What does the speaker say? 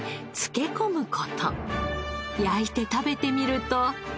焼いて食べてみると。